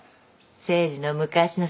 誠治の昔の作文。